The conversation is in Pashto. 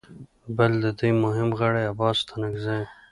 بل د دوی مهم غړي عباس ستانکزي